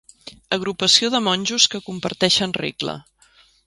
Agrupació de monjos que comparteixen regla.